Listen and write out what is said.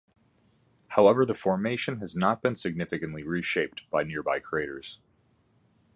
However the formation has not been significantly reshaped by nearby craters.